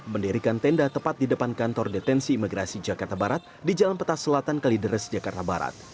mendirikan tenda tepat di depan kantor detensi imigrasi jakarta barat di jalan peta selatan kalideres jakarta barat